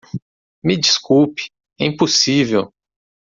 Me desculpe, é impossível.